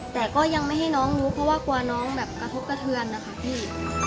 แต่ก็ยังไม่ให้น้องรู้เพราะว่ากลัวน้องแบบกระทบกระเทือนนะคะพี่